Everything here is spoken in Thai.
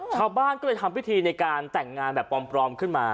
ชาวบ้านก็เลยทำพิธีในการแต่งงานแบบปลอมขึ้นมา